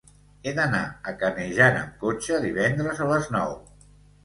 He d'anar a Canejan amb cotxe divendres a les nou.